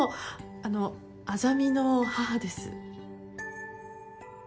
あの莇の母です。